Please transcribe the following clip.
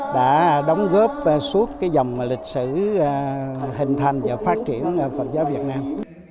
đã đóng góp suốt cái dòng lịch sử hình thành và phát triển phật giáo việt nam